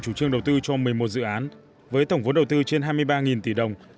chủ trương đầu tư cho một mươi một dự án với tổng vốn đầu tư trên hai mươi ba tỷ đồng